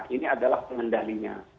ini adalah pengendalinya